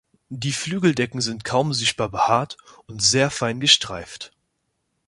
Die Flügeldecken sind kaum sichtbar behaart und sehr fein gestreift.